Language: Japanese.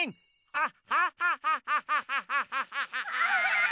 あっ！